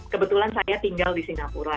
kebetulan saya tinggal di singapura